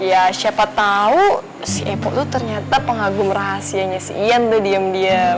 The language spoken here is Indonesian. ya siapa tau si epo tuh ternyata pengagum rahasianya si ian tuh diem diem